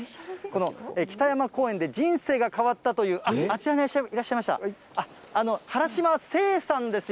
この北山公園で人生が変わったという、あちらにいらっしゃいました、原嶋征さんです。